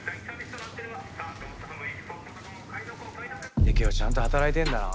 ユキオちゃんと働いてんだな。